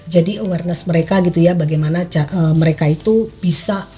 jadi awareness mereka gitu ya bagaimana mereka itu bisa